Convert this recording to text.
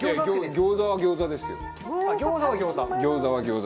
餃子は餃子ですよ。